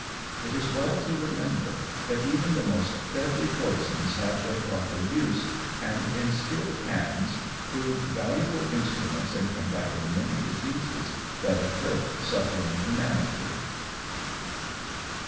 It is well to remember that even the most deadly poisons have their proper use, and in skilled hands prove valuable instruments in combating many diseases that afflict suffering humanity.